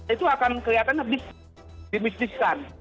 itu akan kelihatan lebih dibisniskan